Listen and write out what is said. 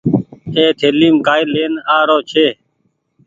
اي ٿليم ڪآئي لين آرو ڇي۔